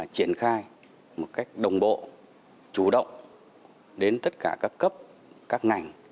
triển khai một cách đồng bộ chủ động đến tất cả các cấp các ngành